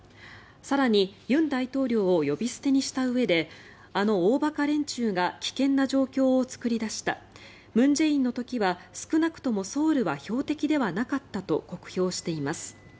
更に、尹大統領を呼び捨てにしたうえであの大馬鹿連中が危険な状況を作り出した文在寅の時は少なくともソウルは標的ではなかったと酷評しています。